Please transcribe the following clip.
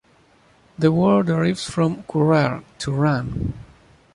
The word derives from "currere", to run.